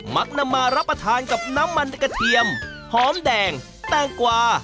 มักนำมารับประทานกับน้ำมันกระเทียมหอมแดงแตงกวา